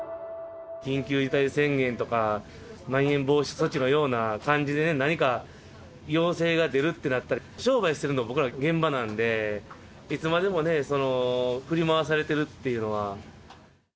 緊急事態宣言とか、まん延防止措置のような感じで、何か要請が出るってなったら、商売してるのは僕ら現場なんで、いつまでもね、振り回されてるっていうのは。